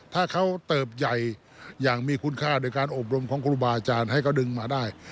ถ้าเขาเติบใหญ่อย่างมีคุณค่าโดยการอบรมของครูบาอาจารย์ให้เขาดึงมาได้